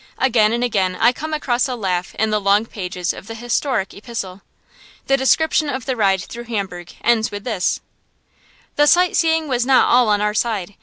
Again and again I come across a laugh in the long pages of the historic epistle. The description of the ride through Hamburg ends with this: The sight seeing was not all on our side.